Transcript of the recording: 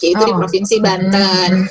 yaitu di provinsi banten